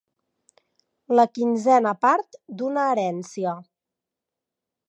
La quinzena part d'una herència.